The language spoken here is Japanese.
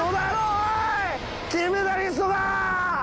おいっ金メダリストがー！